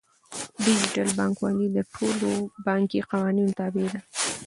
ډیجیټل بانکوالي د ټولو بانکي قوانینو تابع ده.